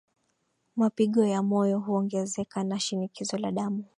Mapigo ya moyo huongezeka na Shinikizo la damu